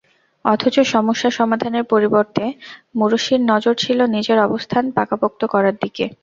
অথচ সমস্যা সমাধানের পরিবর্তে মুরসির নজর ছিল নিজের অবস্থান পাকাপোক্ত করার দিকে।